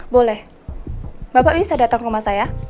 boleh bapak bisa datang ke rumah saya